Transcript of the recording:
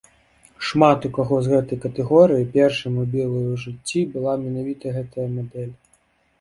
Шмат у каго з гэтай катэгорыі першай мабілай у жыцці была менавіта гэтая мадэль.